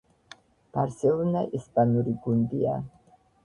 ბარსელონა ესპანური გუნდია